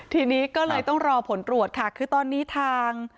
ทีนี้ก็เลยต้องรอผลตรวจค่ะคือตอนนี้ทาง